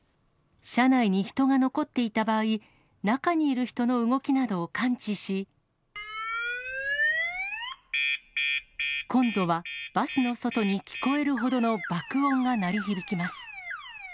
車内に人が残っていた場合、中にいる人の動きなどを感知し、今度はバスの外に聞こえるほどの爆音が鳴り響きます。